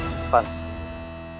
sampai jumpa lagi